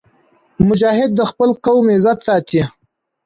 مجاهد د خپل قوم عزت ساتي.